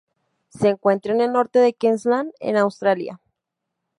Se encuentra en el norte de Queensland en Australia.